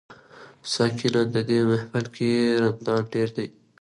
ساقي نن دي په محفل کي رندان ډیر دي